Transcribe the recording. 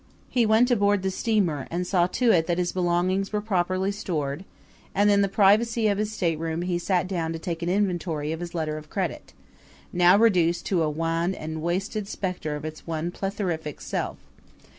He went aboard the steamer and saw to it that his belongings were properly stored; and in the privacy of his stateroom he sat down to take an inventory of his letter of credit, now reduced to a wan and wasted specter of its once plethoric self.